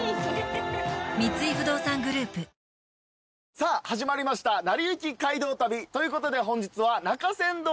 さあ始まりました『なりゆき街道旅』ということで本日は。